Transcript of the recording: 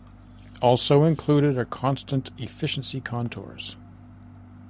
Also included are constant efficiency contours.